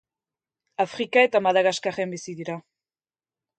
Afrika eta Madagaskarren bizi dira.